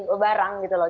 berbarang gitu loh